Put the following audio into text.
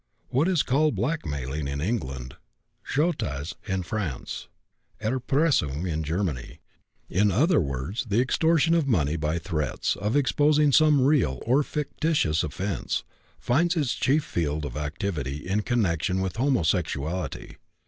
What is called blackmailing in England, chantage in France, and Erpressung in Germany in other words, the extortion of money by threats of exposing some real or fictitious offense finds its chief field of activity in connection with homosexuality.